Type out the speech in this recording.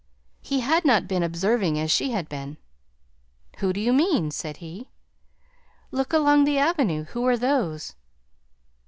He had not been observing as she had been. "Who do you mean?" said he. "Look along the avenue; who are those?"